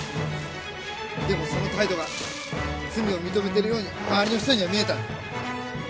でもその態度が罪を認めてるように周りの人には見えた。